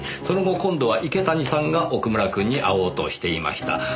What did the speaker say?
その後今度は池谷さんが奥村くんに会おうとしていました。